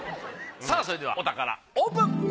さあそれではお宝オープン。